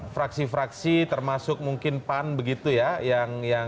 fraksi fraksi termasuk mungkin pan begitu ya